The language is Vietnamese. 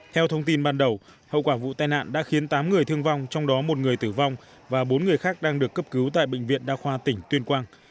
theo thông tin ban đầu hậu quả vụ tai nạn đã khiến tám người thương vong trong đó một người tử vong và bốn người khác đang được cấp cứu tại bệnh viện đa khoa tỉnh tuyên quang